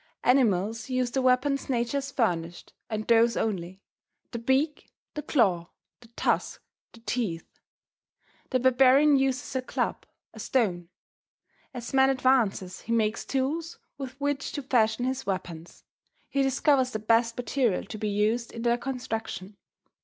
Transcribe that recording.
Animals use the weapons nature has furnished, and those only the beak, the claw, the tusk, the teeth. The barbarian uses a club, a stone. As man advances he makes tools with which to fashion his weapons; he discovers the best material to be used in their construction.